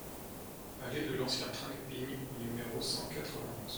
Allée de l'Ancien Train des Pignes au numéro cent quatre-vingt-onze